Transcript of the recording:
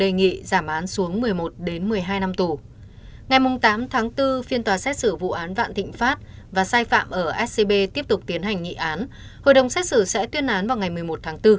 ngày tám tháng bốn phiên tòa xét xử vụ án vạn thịnh pháp và sai phạm ở scb tiếp tục tiến hành nghị án hội đồng xét xử sẽ tuyên án vào ngày một mươi một tháng bốn